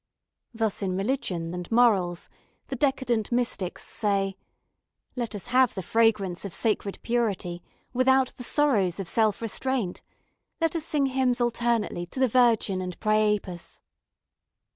Thus, in religion and morals, the decadent mystics say: 'Let us have the fragrance of sacred purity without the sorrows of self restraint; let us sing hymns alternately to the Virgin and Priapus.'